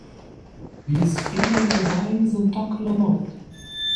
Vies fegl en cadeinas entochen la mort?